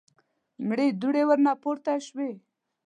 مړې دوړې ورنه پورته شوې.